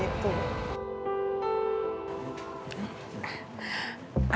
ibu menjual kamu juga